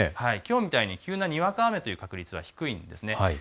きょうみたいに急なにわか雨という確率が低いんですね。